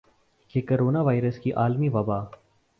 کہ corona virus کی عالمی وبا